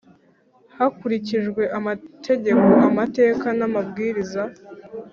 hakurikijwe amategeko amateka n amabwiriza